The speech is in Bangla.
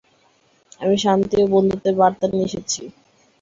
আমি শান্তি ও বন্ধুত্বের বার্তা নিয়ে এসেছি।